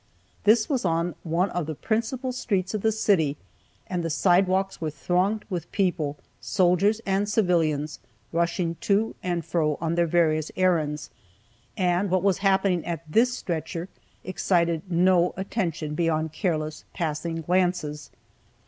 This was on one of the principal streets of the city, and the sidewalks were thronged with people, soldiers and civilians, rushing to and fro on their various errands, and what was happening at this stretcher excited no attention beyond careless, passing glances.